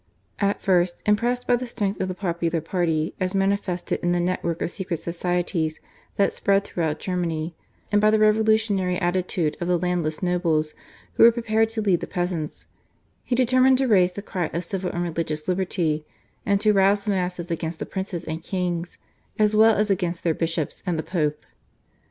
At first, impressed by the strength of the popular party as manifested in the net work of secret societies then spread throughout Germany, and by the revolutionary attitude of the landless nobles, who were prepared to lead the peasants, he determined to raise the cry of civil and religious liberty, and to rouse the masses against the princes and kings, as well as against their bishops and the Pope.